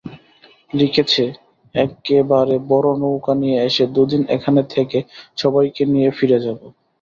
লিখেছে, একেবারে বড় নৌকা নিয়ে এসে দুদিন এখানে থেকে সবাইকে নিয়ে ফিরে যাব।